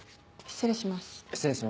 失礼します。